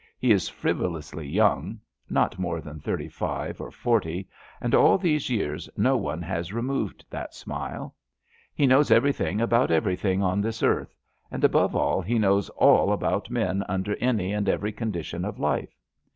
He is frivolously young — ^not more than thirty five or forty — ^and all these years no one has removed that snule. He knows everything about everything on this earth, and above all he kaows all about men under any and every condition of life.